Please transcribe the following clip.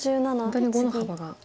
本当に碁の幅が。